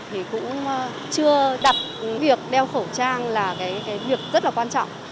thì cũng chưa đặt việc đeo khẩu trang là cái việc rất là quan trọng